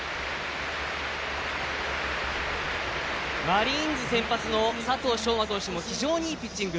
マリーンズ先発の佐藤奨真投手も非常にいいピッチング。